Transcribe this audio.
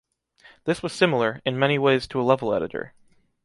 This was similar, in many ways to a level editor.